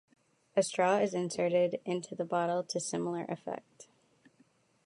A straw is inserted into the bottle to similar effect.